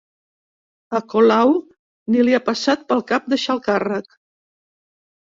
A Colau ni li ha passat pel cap deixar el càrrec